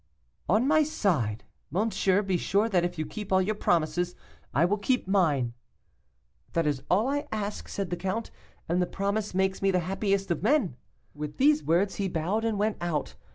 'On my side! monsieur, be sure that if you keep all your promises, I will keep mine.' 'That is all I ask,' said the count, 'and the promise makes me the happiest of men.' "With these words, he bowed and went out.